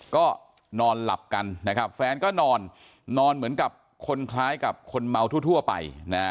ก็นอนหลับกันนะครับแฟนก็นอนนอนเหมือนกับคนคล้ายกับคนเมาทั่วไป